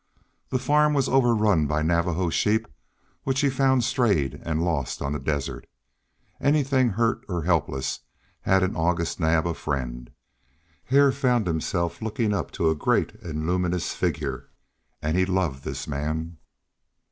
The farm was overrun by Navajo sheep which he had found strayed and lost on the desert. Anything hurt or helpless had in August Naab a friend. Hare found himself looking up to a great and luminous figure, and he loved this man.